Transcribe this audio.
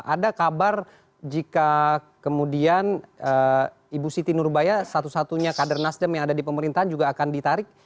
ada kabar jika kemudian ibu siti nurbaya satu satunya kader nasdem yang ada di pemerintahan juga akan ditarik